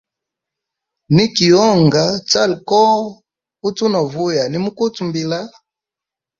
Niki honga, chala koho, utu novuya nimukuta mbila.